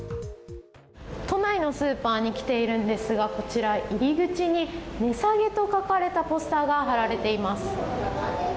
都内のスーパーに来ているんですがこちら、入り口に「値下げ」と書かれたポスターが貼られています。